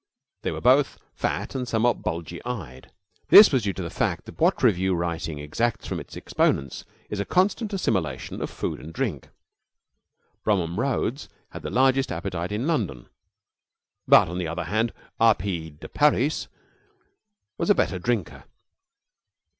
They were both fat and somewhat bulgy eyed. This was due to the fact that what revue writing exacts from its exponents is the constant assimilation of food and drink. Bromham Rhodes had the largest appetite in London; but, on the other hand, R. P. de Parys was a better drinker.